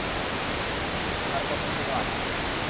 ওনার কথা শোনো আগে।